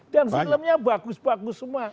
dan filmnya bagus bagus semua